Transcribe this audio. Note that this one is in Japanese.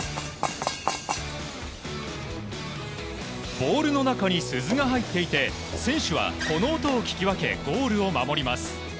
ボールの中に鈴が入っていて選手はこの音を聞き分けゴールを守ります。